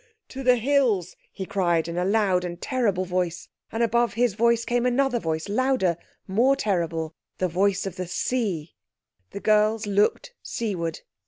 "To the hills!" he cried in a loud and terrible voice. And above his voice came another voice, louder, more terrible—the voice of the sea. The girls looked seaward.